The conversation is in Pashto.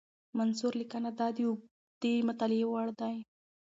منثور لیکنه د اوږدې مطالعې وړ ده.